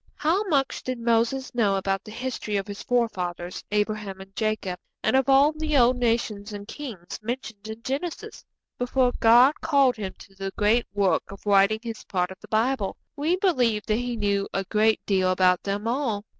How much did Moses know about the history of his forefathers, Abraham and Jacob, and of all the old nations and kings mentioned in Genesis, before God called him to the great work of writing his part of the Bible? We believe that he knew a great deal about them all.